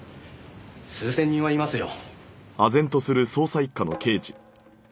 数千人はいますよ。